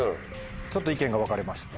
ちょっと意見が分かれました。